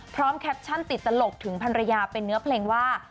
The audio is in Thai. แคปชั่นติดตลกถึงพันรยาเป็นเนื้อเพลงว่า